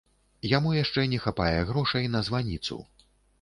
Яму яшчэ не хапае грошай на званіцу.